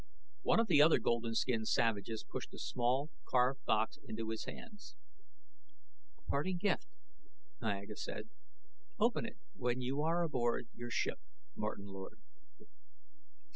One of the other golden skinned savages pushed a small, carved box into his hands. "A parting gift," Niaga said. "Open it when you are aboard your ship, Martin Lord."